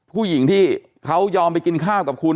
ผู้หญิงที่เขายอมไปกินข้าวกับคุณ